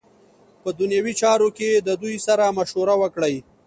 په دنیوی چارو کی ددوی سره مشوره وکړی .